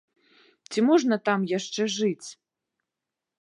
Ці можна там яшчэ жыць?